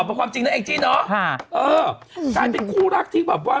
ถ้าเมื่อกี้คู่ลักษณ์ที่แบบว่า